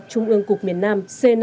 trung ương cục miền nam c năm mươi một